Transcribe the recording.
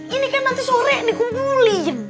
ini kan nanti sore dikubuli